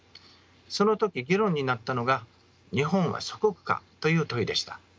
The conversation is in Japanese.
その時議論になったのが日本は祖国かという問いでした。